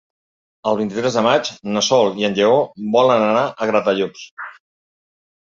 El vint-i-tres de maig na Sol i en Lleó volen anar a Gratallops.